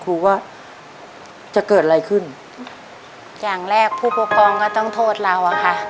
ครูก็จะเกิดอะไรขึ้นอย่างแรกผู้ปกครองก็ต้องโทษเราอะค่ะ